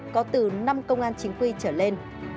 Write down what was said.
có từ năm công an chính quy trở lên